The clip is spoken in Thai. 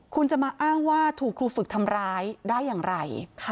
คุณจะมาอ้างว่าถูกครูฝึกทำร้ายได้อย่างไร